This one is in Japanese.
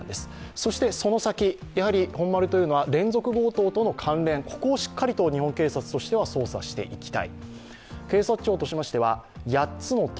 そして、その先、本丸というのは連続強盗の関連をしっかりと日本警察としては捜査していきたい。